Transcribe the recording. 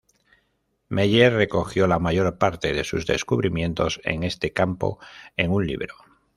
Meyer recogió la mayor parte de sus descubrimientos en este campo en un libro.